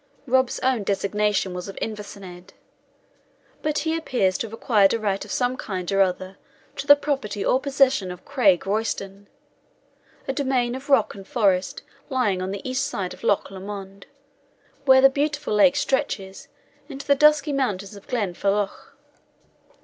Rob's own designation was of Inversnaid; but he appears to have acquired a right of some kind or other to the property or possession of Craig Royston, a domain of rock and forest, lying on the east side of Loch Lomond, where that beautiful lake stretches into the dusky mountains of Glenfalloch.